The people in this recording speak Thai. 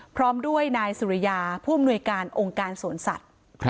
พร้อมด้วยนายสุริยาผู้อำนวยการองค์การสวนสัตว์